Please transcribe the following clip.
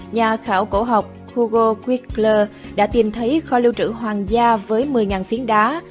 nhà khảo cổ học hugo whitler đã tìm thấy kho lưu trữ hoàng gia với một mươi phiến đá